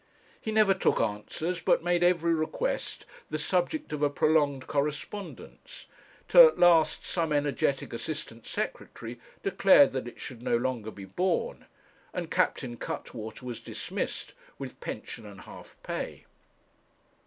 He never took answers, but made every request the subject of a prolonged correspondence; till at last some energetic Assistant Secretary declared that it should no longer be borne, and Captain Cuttwater was dismissed with pension and half pay.